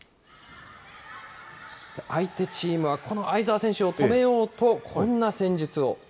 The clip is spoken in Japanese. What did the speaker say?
相手チームは、この相澤選手を止めようと、こんな戦術を。